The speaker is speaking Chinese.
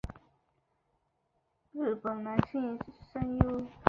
冈本宽志是日本男性声优。